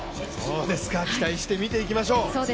期待して見ていきましょう。